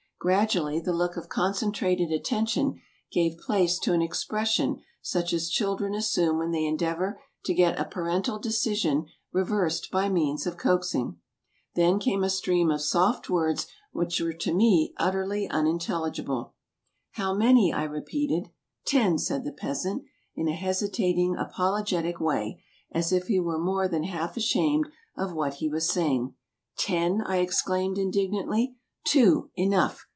Gradually the look of concentrated attention gave place to an expres sion such as children assume when they endeavor to get a parental decision reversed by means of coaxing. Then came a stream of soft words which were to me utterly un intelligible. " How many ?" I repeated. "Ten !" said the peasant, in a hesitating, apologetic way, as if he were more than half ashamed of what he was saying. "Ten!" I exclaimed, indignantly. "Two, enough!"